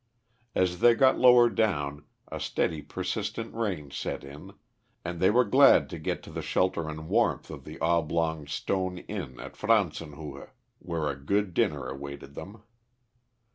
As they got lower down a steady persistent rain set in, and they were glad to get to the shelter and warmth of the oblong stone inn at Franzenshöhe, where a good dinner awaited them.